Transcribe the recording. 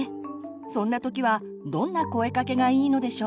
そんなときはどんな声かけがいいのでしょう？